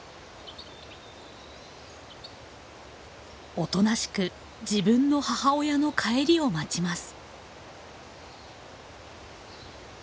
おとなしく自分の母親の帰りを待ちます。